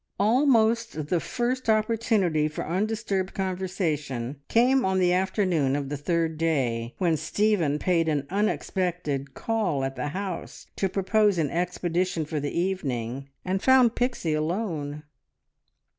Almost the first opportunity for undisturbed conversation came on the afternoon of the third day, when Stephen paid an unexpected call at the house to propose an expedition for the evening, and found Pixie alone.